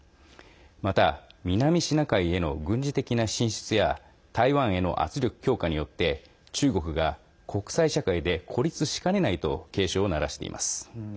また、南シナ海への軍事的な進出や台湾への圧力強化によって中国が国際社会で孤立しかねないと警鐘を鳴らしています。